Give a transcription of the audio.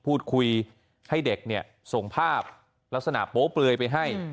พูดคุยให้เด็กเนี่ยส่งภาพลักษณะโป๊เปลือยไปให้